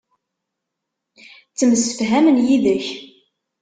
Ttemsefhamen yid-k.